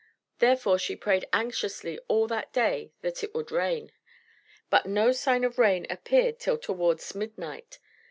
Therefore she prayed anxiously all that day that it would rain, "but no sign of rain appeared till towards midnight."